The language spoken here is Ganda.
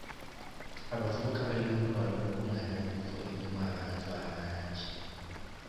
Abavubuka balina okwewala okukunganira mu bifo ebirimu abantu abangi.